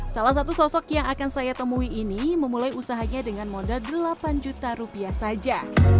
salah satu sosok yang akan saya temui ini memulai usahanya dengan modal delapan juta rupiah saja